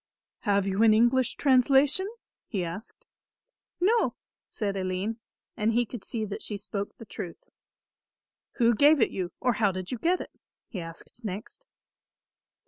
"Have you an English translation?" he asked. "No," said Aline, and he could see that she spoke the truth. "Who gave it you, or how did you get it?" he asked next.